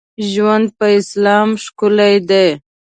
ژوند په اسلام ښکلی دی.